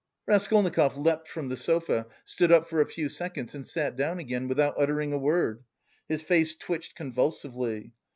Raskolnikov leapt from the sofa, stood up for a few seconds and sat down again without uttering a word. His face twitched convulsively.